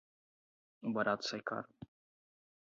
O barato sai caro